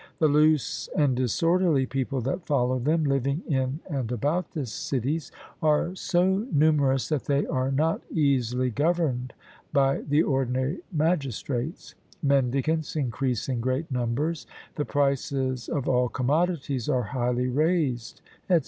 The loose and disorderly people that follow them, living in and about the cities, are so numerous, that they are not easily governed by the ordinary magistrates: mendicants increase in great number the prices of all commodities are highly raised, &c.